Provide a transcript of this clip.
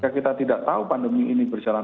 kita tidak tahu pandemi ini berjalan